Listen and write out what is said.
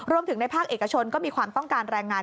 รวมถึงในภาคเอกชนก็มีความต้องการแรงงาน